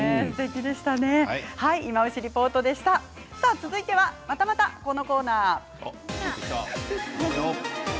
続いては、またまたこのコーナー。